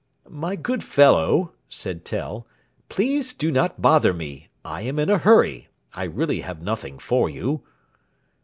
"My good fellow," said Tell, "please do not bother me. I am in a hurry. I really have nothing for you."